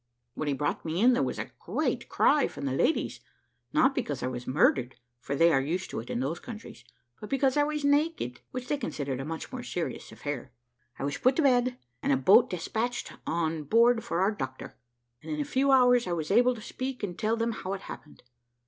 When he brought me in, there was a great cry from the ladies, not because I was murdered, for they are used to it in those countries, but because I was naked, which they considered a much more serious affair. I was put to bed, and a boat despatched on board for our doctor; and in a few hours I was able to speak, and tell them how it happened.